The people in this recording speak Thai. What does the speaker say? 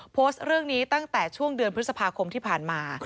โพสต์เรื่องนี้ตั้งแต่ช่วงเดือนพฤษภาคมที่ผ่านมา